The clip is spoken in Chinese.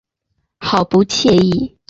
好不惬意